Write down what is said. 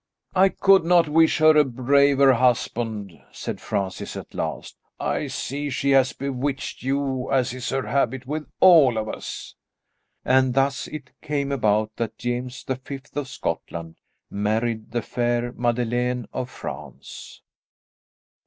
"I could not wish her a braver husband," said Francis at last. "I see she has bewitched you as is her habit with all of us." And thus it came about that James the Fifth of Scotland married the fair Madeleine of France.